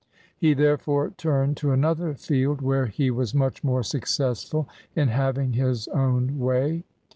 He therefore turned to another field where he was much more successful in having his own way.